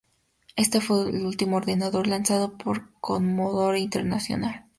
Este fue el último ordenador lanzado por Commodore International.